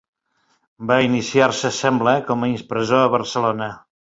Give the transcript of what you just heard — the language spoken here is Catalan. Va iniciar-se, sembla, com a impressor a Barcelona.